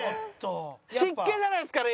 湿気じゃないですかね？